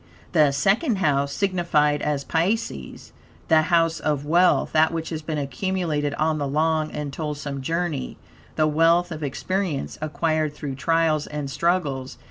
The Second House, signified as Pisces, the House of Wealth, that which has been accumulated on the long and toilsome journey the wealth of experience, acquired through trials and struggles.